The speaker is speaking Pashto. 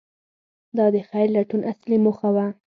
• دا د خیر لټول اصلي موخه وه.